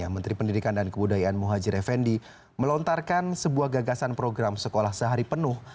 menteri pendidikan dan kebudayaan muhajir effendi melontarkan sebuah gagasan program sekolah sehari penuh